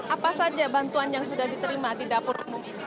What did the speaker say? apa saja bantuan yang sudah diterima di dapur umum ini